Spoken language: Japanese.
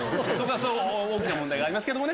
大きな問題がありますけどもね。